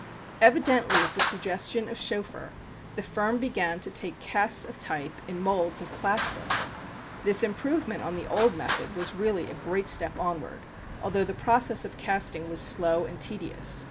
Evidently at the suggestion of Schoeffer, the firm began to take casts of type in moulds of plaster. This improvement on the old method was really a great step onward, although the process of casting was slow and tedious.